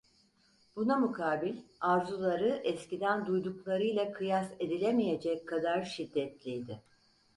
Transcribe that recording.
Buna mukabil, arzuları eskiden duyduklarıyla kıyas edilemeyecek kadar şiddetliydi.